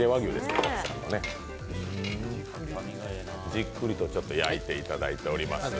じっくりと焼いていただいております。